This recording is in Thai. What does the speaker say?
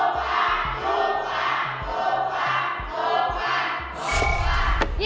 คุณพ่าคุณพ่าคุณพ่าคุณพ่าคุณพ่าคุณพ่า